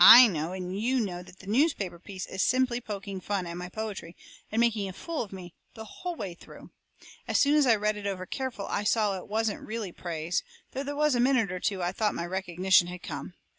"I know and YOU know that newspaper piece is just simply poking fun at my poetry, and making a fool of me, the whole way through. As soon as I read it over careful I saw it wasn't really praise, though there was a minute or two I thought my recognition had come.